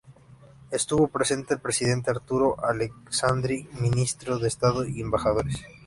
Estuvo presente el presidente Arturo Alessandri, ministros de Estado y embajadores.